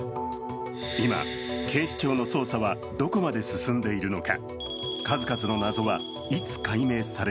今、警視庁の捜査はどこまで進んでいるのか。